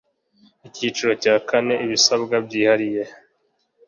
Icyiciro cya kane Ibisabwa byihariye